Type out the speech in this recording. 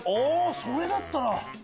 それだったら。